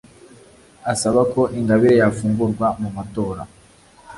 asaba ko ingabire yafungurwa mumatora